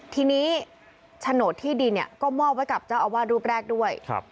ทีนี้โฉนดที่ดินเนี่ยก็มอบไว้กับเจ้าอาวาสรูปแรกด้วย